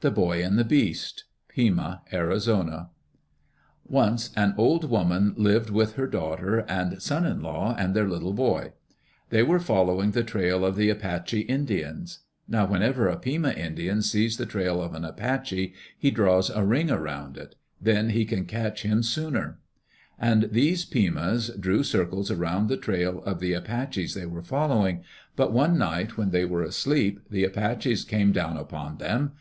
The Boy and the Beast Pima (Arizona) Once an old woman lived with her daughter and son in law and their little boy. They were following the trail of the Apache Indians. Now whenever a Pima Indian sees the trail of an Apache he draws a ring around it; then he can catch him sooner. And these Pimas drew circles around the trail of the Apaches they were following, but one night when they were asleep, the Apaches came down upon them.